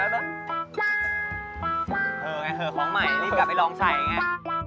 เหอะไงเหอะของใหม่รีบกลับไปลองใส่ไง